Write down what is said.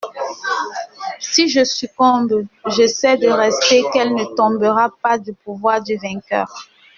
Si je succombe, je sais de reste qu'elle ne tombera pas du pouvoir du vainqueur.